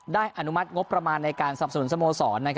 อนุมัติงบประมาณในการสนับสนุนสโมสร